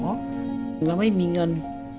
เราไม่มีเงิน